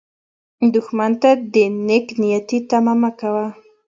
دښمن ته د نېک نیتي تمه مه کوه